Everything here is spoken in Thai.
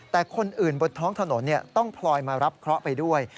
แต่คนอื่นบนท้องถนนต้องพลอยมารับเคราะห์ไปด้วย